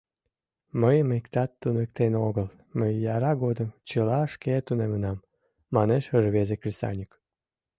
— Мыйым иктат туныктен огыл: мый яра годым чыла шке тунемынам, — манеш рвезе кресаньык.